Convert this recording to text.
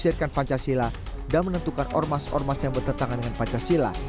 ketiga tentang perang yang dipercaya oleh pak cak silla dan menentukan ormas ormas yang bertentangan dengan pak cak silla